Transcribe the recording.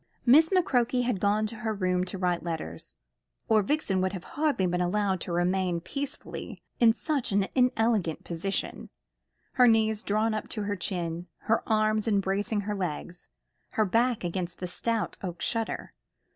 Miss McCroke had gone to her room to write letters, or Vixen would have hardly been allowed to remain peacefully in such an inelegant position, her knees drawn up to her chin, her arms embracing her legs, her back against the stout oak shutter.